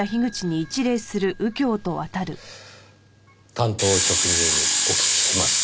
単刀直入にお聞きします。